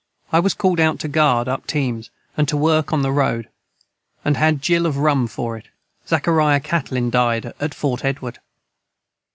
I was cald out to guard up teams and to work on the road & had a Jil of rum for it Zachariah Catlin died at Fort Edward.